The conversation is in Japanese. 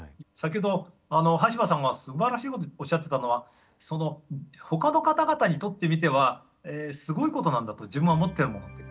先ほど端羽さんがすばらしいことおっしゃってたのはほかの方々にとってみてはすごいことなんだと自分が持ってるもの。